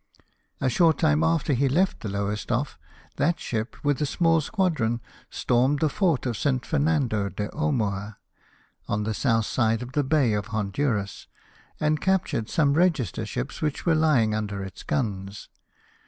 A short time after he left the Lowestoffe, that ship, with a small squadron, stormed the fort of St. Fernando de Onioa, on the south side of the bay of Honduras, and captured some register ships which were lying under its guns.